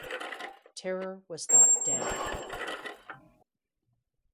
Terror was thought dead.